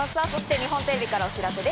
日本テレビからお知らせです。